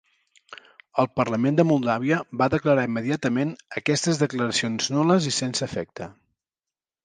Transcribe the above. El parlament de Moldàvia va declarar immediatament aquestes declaracions nul·les i sense efecte.